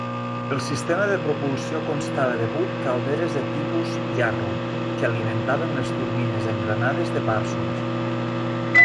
El sistema de propulsió constava de vuit calderes de tipus Yarrow, que alimentaven les turbines engranades de Parsons.